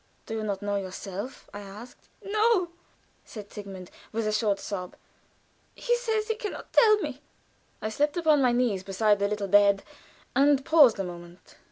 "Do you not know yourself?" I asked. "No," said Sigmund, with a short sob. "He says he can not tell me." I slipped upon my knees beside the little bed, and paused a moment.